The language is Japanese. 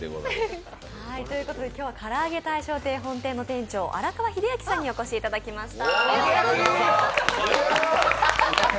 今日は、からあげ大将亭本店の店長、荒川英明さんにお越しいただきました。